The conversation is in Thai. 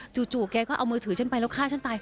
แกก็เอามือถือฉันไปแล้วฆ่าฉันตาย